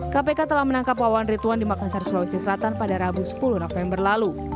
kpk telah menangkap wawan rituan di makassar sulawesi selatan pada rabu sepuluh november lalu